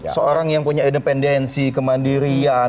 seorang yang punya independensi kemandirian